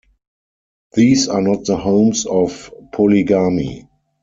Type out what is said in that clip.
These are not the homes of polygamy.